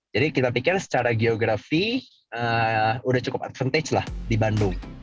jadi kita pikir secara geografi udah cukup advantage lah di bandung